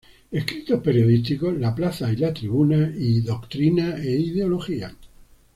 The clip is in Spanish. Escritos periodísticos"; "La plaza y la tribuna"; y "Doctrina e ideología".